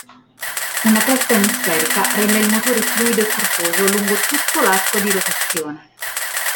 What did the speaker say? Una testa emisferica rende il motore fluido e corposo lungo tutto l'arco di rotazione.